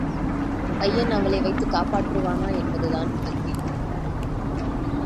பையன் அவளை வைத்துக் காப்பாற்றுவானா என்பதுதான் முதல் கேள்வி.